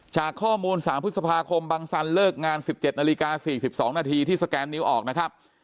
จากข้อมูล๓พฤษภาคมบังสันเลิกงาน๑๗นาฬิกา๔๒นาทีที่สแกนนิ้วออกนะครับ